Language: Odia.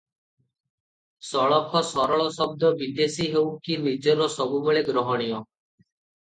ସଳଖ ଓ ସରଳ ଶବ୍ଦ ବିଦେଶୀ ହେଉ କି ନିଜର ସବୁବେଳେ ଗ୍ରହଣୀୟ ।